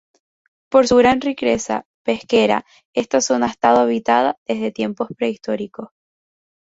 Por su gran riqueza pesquera esta zona ha estado habitada desde tiempos prehistóricos.